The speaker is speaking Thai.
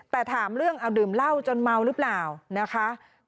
แต่ถามเรื่องเอาดื่มเหล้าจนเมาหรือเปล่านะคะ